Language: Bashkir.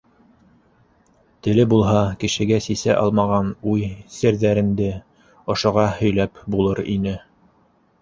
Теле булһа, кешегә сисә алмаған уй- серҙәренде ошоға һөйләп булыр ине.